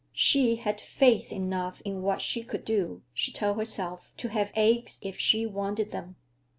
She had faith enough in what she could do, she told herself, to have eggs if she wanted them.